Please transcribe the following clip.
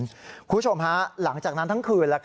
คุณผู้ชมฮะหลังจากนั้นทั้งคืน